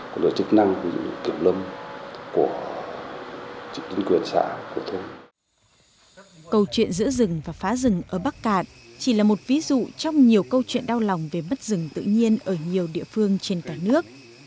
câu chuyện giữa rừng và phá rừng ở bắc cạn chỉ là một ví dụ trong nhiều câu chuyện đau lòng về mất rừng tự nhiên ở nhiều địa phương trên cả nước